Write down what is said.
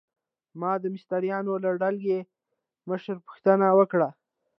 ما د مستریانو له ډلګۍ مشره پوښتنه وکړه.